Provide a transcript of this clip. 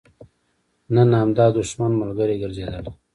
نن همدا دښمن ملګری ګرځېدلی.